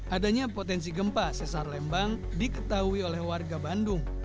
adanya potensi gempa sesar lembang diketahui oleh warga bandung